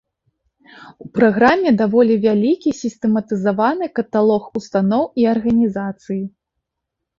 У праграме даволі вялікі сістэматызаваны каталог устаноў і арганізацый.